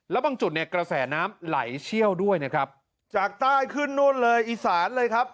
แล้วบางจุดเนี่ยกระแสน้ำไหลเชี่ยวด้วยนะครับจากใต้ขึ้นนู่นเลยอีสานเลยครับ